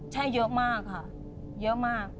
ใช่เยอะมากค่ะเยอะมาก